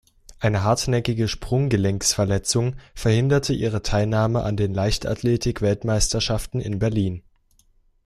Eine hartnäckige Sprunggelenksverletzung verhinderte ihre Teilnahme an den Leichtathletik-Weltmeisterschaften in Berlin.